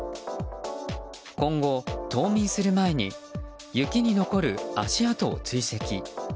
今後、冬眠する前に雪に残る足跡を追跡。